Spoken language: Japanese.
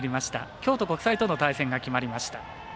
京都国際との対戦が決まりました。